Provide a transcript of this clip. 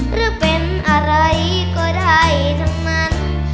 หรือเป็นอะไรก็ได้ทั้งมัน